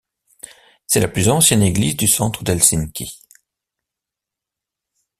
C'est la plus ancienne église du centre d'Helsinki.